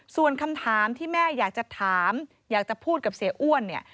ส่วนคำถามที่แม่อยากจะถามอยากจะพูดกับเสียอ้วนเนี่ย